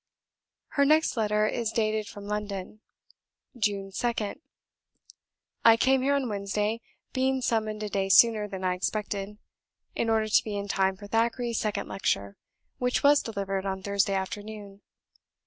Her next letter is dated from London. "June 2nd. "I came here on Wednesday, being summoned a day sooner than I expected, in order to be in time for Thackeray's second lecture, which was delivered on Thursday afternoon.